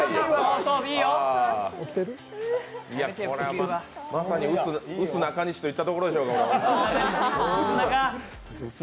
まさに、うすなかにしといったところでしょうか。